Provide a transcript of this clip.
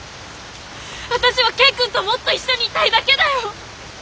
私は景君ともっと一緒にいたいだけだよ！